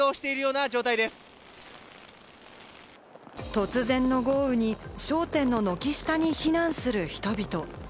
突然の豪雨に商店の軒下に避難する人々。